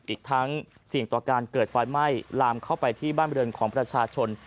อีกทั้งเสี่ยงต่อการเกิดไฟไหม้ลามเข้าไปที่บ้านบริเวณของประชาชน